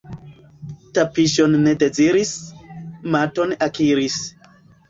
Tapiŝon ne deziris, maton akiris.